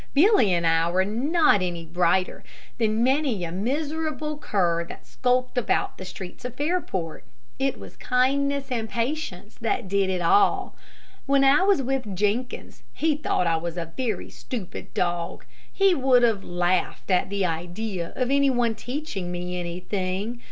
Billy and I were not any brighter than many a miserable cur that skulked about the streets of Fairport. It was kindness and patience that did it all. When I was with Jenkins he thought I was a very stupid dog. He would have laughed at the idea of any one teaching me anything.